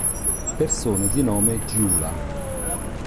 Persone di nome Gyula